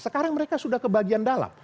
sekarang mereka sudah ke bagian dalam